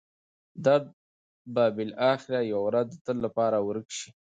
درد به بالاخره یوه ورځ د تل لپاره ورک شي.